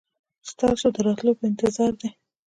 ستاسو د راتلو په انتظار دي.